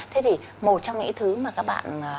thế thì một trong những thứ mà các bạn